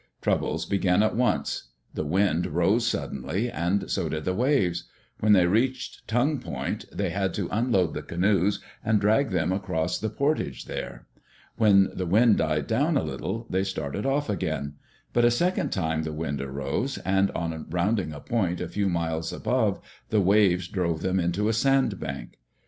Troubles began at once. The wind rose suddenly, and so did the waves. When they reached Tongue Point they had to unload the canoes and drag them across the por tage there. When the wind died down a little they started off again. But a second time the wind arose, and on rounding a point a few miles above, the waves drove them into a sand bank.